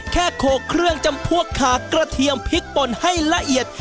โขกเครื่องจำพวกขากระเทียมพริกป่นให้ละเอียด